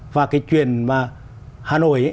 và cái chuyện mà hà nội